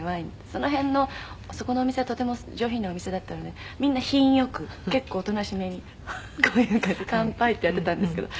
「その辺のそこのお店はとても上品なお店だったのでみんな品良く結構おとなしめにこういう感じで乾杯ってやってたんですけど」